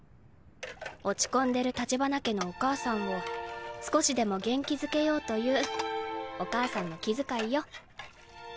落ち込んでる立花家のお母さんを少しでも元気づけようというお母さんの気遣いよ。